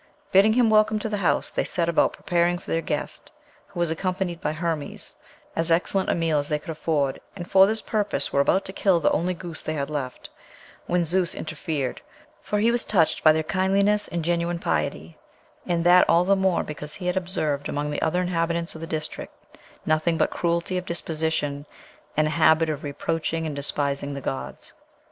Bidding him welcome to the house, they set about preparing for their guest, who was accompanied by Hermes, as excellent a meal as they could afford, and for this purpose were about to kill the only goose they had left, when Zeus interfered; for he was touched by their kindliness and genuine piety, and that all the more because he had observed among the other inhabitants of the district nothing but cruelty of disposition and a habit of reproaching and despising the gods.